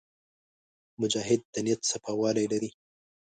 مجاهد د نیت صفاوالی لري.